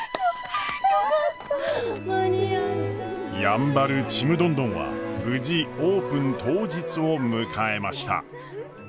やんばるちむどんどんは無事オープン当日を迎えました。